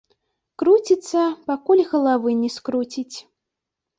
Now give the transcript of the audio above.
Круціцца, пакуль галавы не скруціць.